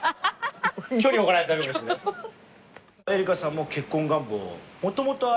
恵梨香さんも結婚願望。